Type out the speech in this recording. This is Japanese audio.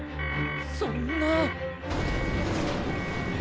そんな！